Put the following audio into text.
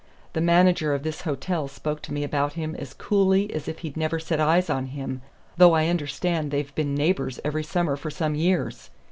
The manager of this hotel spoke to me about him as coolly as if he'd never set eyes on him, though I understand they've been neighbors every summer for some years.